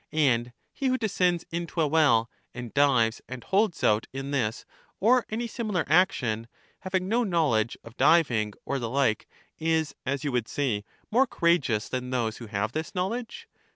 And he who descends into a well, and dives, and holds out in this or any similar action, having no knowledge of diving, or the like, is, as you would say, more courageous than those who have this knowledge?